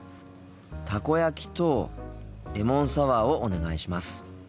たこ焼きとレモンサワーをお願いします。